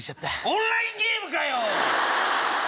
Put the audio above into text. オンラインゲームかよ！